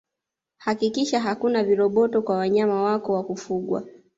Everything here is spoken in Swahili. Hakikisha hakuna viroboto kwa wanyama wako wa kufugwaa